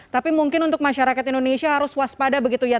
tapi mungkin untuk masyarakat indonesia harus waspada begitu ya